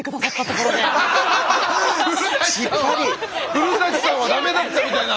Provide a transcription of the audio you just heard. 古さんはダメだったみたいな。